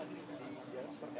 ya seperti apa pak ahok